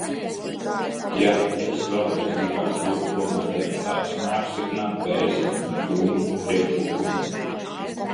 Jā, es vēlreiz gribētu lūgt tomēr deputātus neapstiprināt deputātu Bērziņa un Tomiņa priekšlikumu.